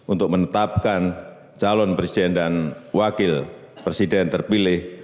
untuk menetapkan calon presiden dan wakil presiden terpilih